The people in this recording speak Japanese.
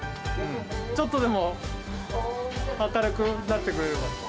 ちょっとでも明るくなってくれれば。